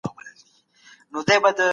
آیا ابن خلدون یو نابغه و؟